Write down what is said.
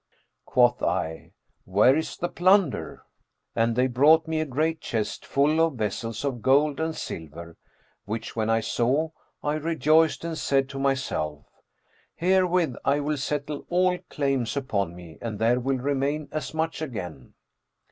Quoth I, 'Where is the plunder?'; and they brought me a great chest, full of vessels of gold and silver; which when I saw, I rejoiced and said to myself, 'Herewith I will settle all claims upon me and there will remain as much again.'